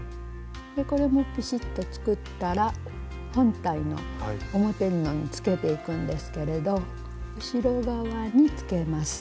これもピシッと作ったら本体の表布につけていくんですけれど後ろ側につけます。